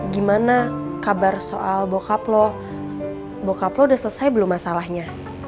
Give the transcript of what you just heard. gimana kabar soal bokap loh bokap lo udah selesai belum masalahnya